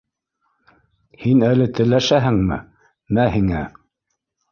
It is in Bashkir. — Һин әле телләшәңме? Мә һиңә!